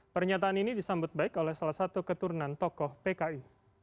pernyataan ini disambut baik oleh salah satu keturunan tokoh pki